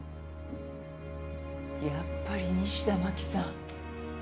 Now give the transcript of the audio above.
やっぱり西田真紀さん。